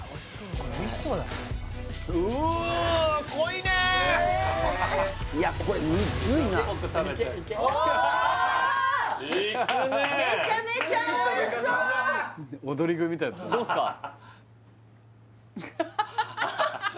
これおいしそうだねうーわいやこれむずいないくねえめちゃめちゃおいしそう・どうすか？